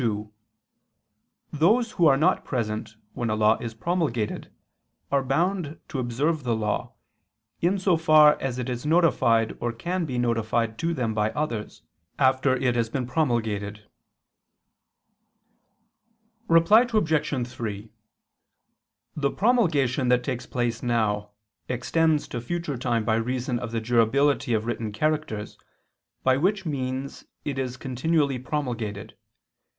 2: Those who are not present when a law is promulgated, are bound to observe the law, in so far as it is notified or can be notified to them by others, after it has been promulgated. Reply Obj. 3: The promulgation that takes place now, extends to future time by reason of the durability of written characters, by which means it is continually promulgated.